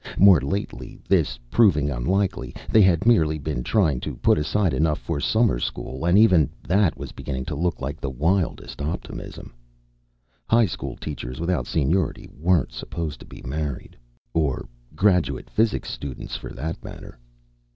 More lately, this proving unlikely, they had merely been trying to put aside enough for summer school, and even that was beginning to look like the wildest optimism. High school teachers without seniority weren't supposed to be married. Or graduate physics students, for that matter.